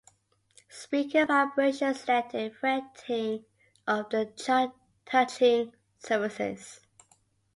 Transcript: Speaker vibrations led to fretting of the touching surfaces.